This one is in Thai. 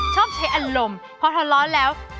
ชอบใช้อารมณ์เพราะเธอร้อนแล้ว